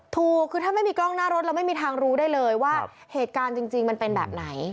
ถูกคือถ้าไม่มีกล้องหน้ารถเราไม่มีทางรู้ได้เลยว่าเหตุการณ์จริงมันเป็นแบบไหน